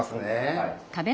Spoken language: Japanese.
はい。